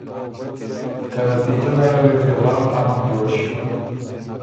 که نتیجۀ نره وې فی الحال امُن جوړ ݭیوک۔